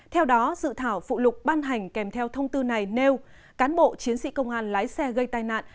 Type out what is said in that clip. theo đó dự thảo phụ lục ban hành kèm theo thông tư này nêu cán bộ chiến sĩ công an lái xe gây tai nạn